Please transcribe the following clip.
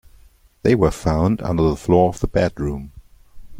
They were found under the floor of the bedroom.